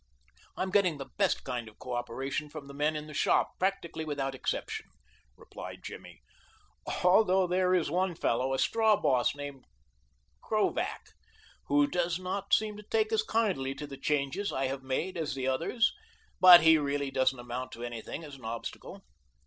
"I am getting the best kind of cooperation from the men in the shop, practically without exception," replied Jimmy, "although there is one fellow, a straw boss named Krovac, who does not seem to take as kindly to the changes I have made as the others, but he really doesn't amount to anything as an obstacle."